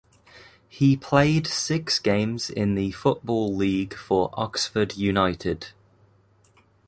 He played six games in the Football League for Oxford United.